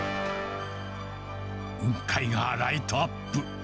雲海がライトアップ。